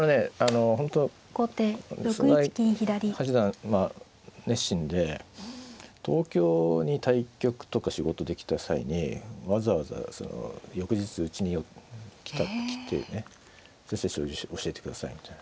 本当菅井八段熱心で東京に対局とか仕事で来た際にわざわざ翌日うちに来てね「先生将棋教えてください」みたいな。